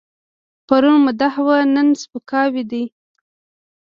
پرون مدح وه، نن سپکاوی دی.